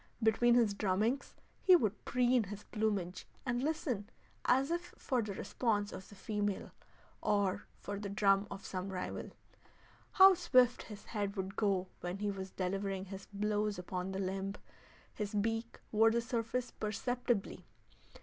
Between his drummings he would preen his plumage and listen as if for the response of the female, or for the drum of some rival. How swift his head would go when he was delivering his blows upon the limb! His beak wore the surface perceptibly.